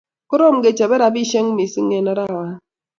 Koroom kechobe robisiek mising eng arawani